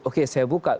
oke saya buka